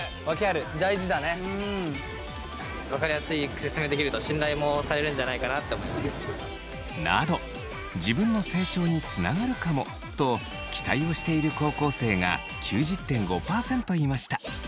大事だね。など自分の成長につながるかもと期待をしている高校生が９０．５％いました。